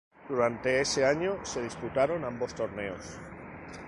Durante ese año se disputaron ambos torneos.